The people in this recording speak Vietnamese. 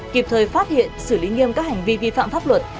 kịp thời phát hiện xử lý nghiêm các hành vi vi phạm pháp luật